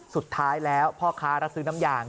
สุดท้ายแล้วพ่อค้ารับซื้อน้ำยาง